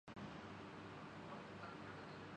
میں اس سوال کو اسی سیاق و سباق میں دیکھ رہا ہوں۔